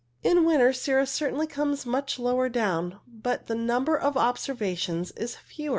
In winter cirrus certainly comes much lower down, but the number of observations is fewer.